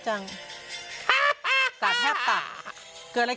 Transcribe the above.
ฉันไม่อยากจะบอก